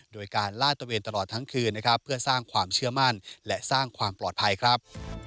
โดยการลาดตะเวนตลอดทั้งคืนนะครับเพื่อสร้างความเชื่อมั่นและสร้างความปลอดภัยครับ